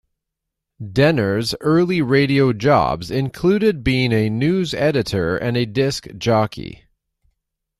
Dehner's early radio jobs included being a news editor and a disc jockey.